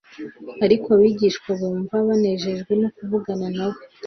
Ariko abigishwa bumva banejejwe no kuvugana na we